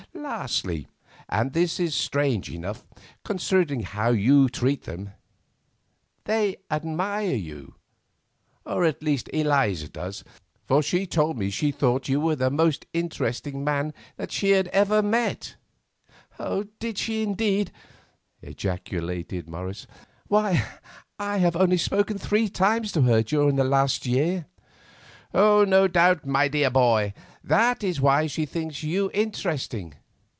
Lastly—and this is strange enough, considering how you treat them—they admire you, or at least Eliza does, for she told me she thought you the most interesting man she had ever met." "Did she indeed!" ejaculated Morris. "Why, I have only spoken three times to her during the last year." "No doubt, my dear boy, that is why she thinks you interesting.